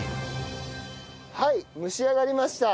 はい蒸し上がりました。